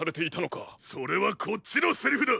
それはこっちのセリフだ！